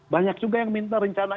banyak juga yang minta rencana